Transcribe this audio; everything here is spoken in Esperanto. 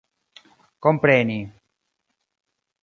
kompreni